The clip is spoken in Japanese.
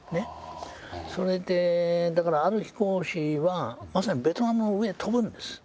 それでだからある飛行士はまさにベトナムの上飛ぶんです。